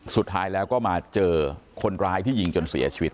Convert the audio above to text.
สุดท้ายแล้วก็มาเจอคนร้ายที่ยิงจนเสียชีวิต